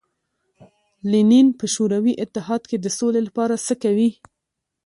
لینین په شوروي اتحاد کې د سولې لپاره څه کوي.